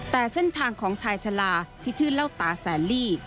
แต่เส้นทางของชายชะลาที่ชื่อเล่าตาแสนลี่